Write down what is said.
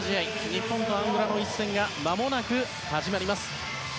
日本とアンゴラの一戦がまもなく始まります。